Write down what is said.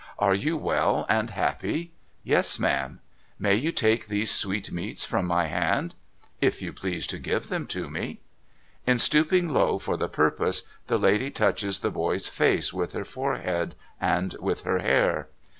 ' Are you well and happy ?'' Yes, ma'am.' ' May you take these sweetmeats from my hand ?'* If you please to give them to me.' In stooping low for the purpose, the lady touches the boy's face with her forehead and with her hair.